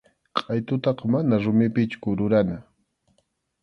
Qʼaytutaqa mana rumipichu kururana.